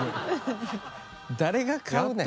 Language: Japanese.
誰が買うねん。